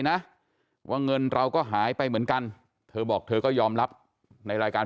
นะว่าเงินเราก็หายไปเหมือนกันเธอบอกเธอก็ยอมรับในรายการ